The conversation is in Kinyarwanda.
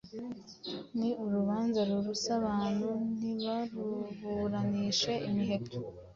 Ni urubanza ruruse abantu nibaruburanishe imiheto